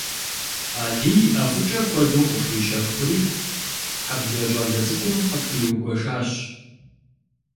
Алий ӀэфӀыкӀэ куэду къытхуищэхури, хьэблэ щӀалэ цӀыкӀум къытхуигуэшащ.